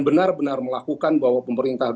benar benar melakukan bahwa pemerintah